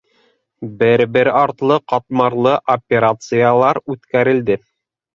Бер-бер артлы ҡатмарлы операциялар үткәрелде.